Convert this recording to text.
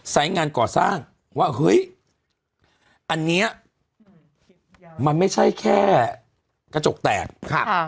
งานก่อสร้างว่าเฮ้ยอันเนี้ยมันไม่ใช่แค่กระจกแตกค่ะ